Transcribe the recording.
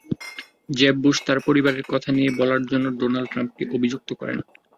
জেব Bush তাঁর পরিবার নিয়ে কথা বলার জন্য ডোনাল্ড ট্রাম্পকে অভিযুক্ত করেন।